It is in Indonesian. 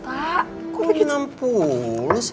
pak boa sebelum ini mampu ke ini